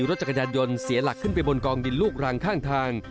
รถจักรยานยนต์เสียหลักขึ้นไปบนกองดินลูกรังข้างทาง